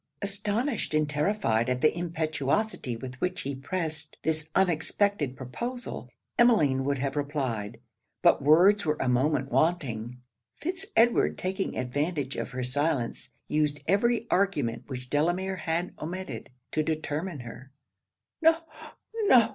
Astonished and terrified at the impetuosity with which he pressed this unexpected proposal, Emmeline would have replied, but words were a moment wanting. Fitz Edward taking advantage of her silence, used every argument which Delamere had omitted, to determine her. 'No! no!'